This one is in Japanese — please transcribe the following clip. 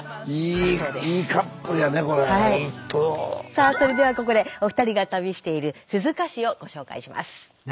さあそれではここでお二人が旅している鈴鹿市をご紹介します。